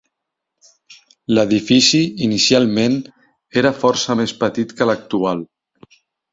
L'edifici inicialment era força més petit que l'actual.